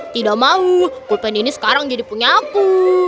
tidak mau pulpen ini sekarang jadi pengaku